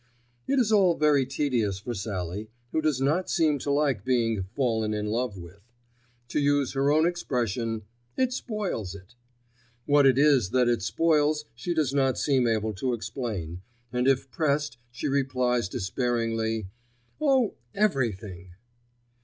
It is all very tedious for Sallie, who does not seem to like being fallen in love with. To use her own expression, "It spoils it." What it is that it spoils she does not seem able to explain, and if pressed she replies despairingly, "Oh! everything."